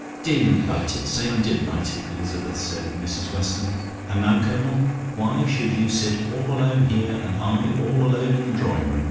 "Delighted; say I'm delighted, Elizabeth," said Mrs Weston, "and now, Colonel, why should you sit all alone here, and I all alone in the drawing room?